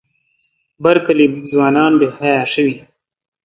بر کلي ځوانان بې حیا شوي.